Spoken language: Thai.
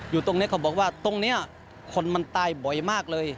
อยู่ตรงนี้เขาบอกว่าตรงนี้คนมันตายบ่อยมากเลย